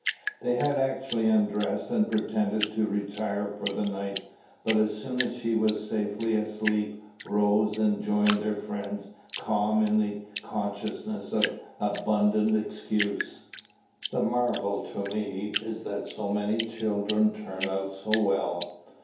They had actually undressed, and pretended to retire for the night; but, as soon as she was safely asleep, rose and joined their friends, calm in the consciousness of abundant excuse. The marvel to me is that so many children turn out so well.